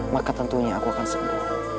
maka tentunya aku akan sembuh